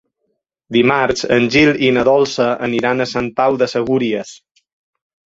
Dimarts en Gil i na Dolça aniran a Sant Pau de Segúries.